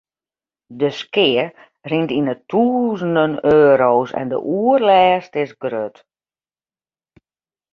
De skea rint yn 'e tûzenen euro's en de oerlêst is grut.